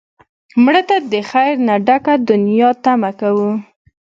مړه ته د خیر نه ډکه دنیا تمه کوو